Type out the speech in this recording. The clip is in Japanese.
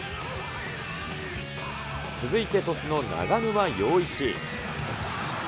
続いて鳥栖の長沼洋一。